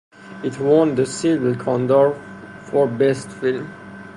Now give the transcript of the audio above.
It won the Silver Condor for Best Film.